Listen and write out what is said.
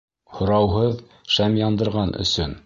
— Һорауһыҙ шәм яндырған өсөн.